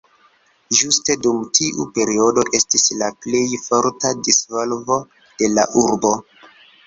Ĝuste dum tiu periodo estis la plej forta disvolvo de la urbo.